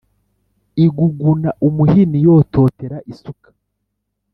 Iguguna umuhini yototera isuka.